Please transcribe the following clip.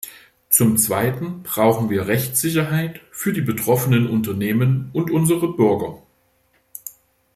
Zum Zweiten brauchen wir Rechtssicherheit für die betroffenen Unternehmen und unsere Bürger.